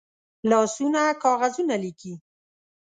لاسونه کاغذونه لیکي